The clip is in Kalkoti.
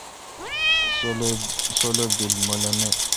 سولو بیل مہ لو نہ۔